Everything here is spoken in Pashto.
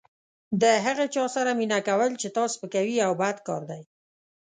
د هغه چا سره مینه کول چې تا سپکوي یو بد کار دی.